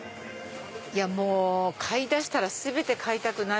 買いだしたら全て買いたくなる。